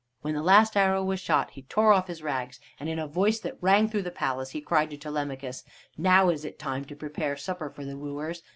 When the last arrow was shot he tore off his rags, and in a voice that rang through the palace he cried to Telemachus: "Now is it time to prepare supper for the wooers!